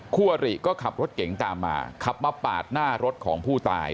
คู่อริก็ขับรถเก๋งตามมาขับมาปาดหน้ารถของผู้ตาย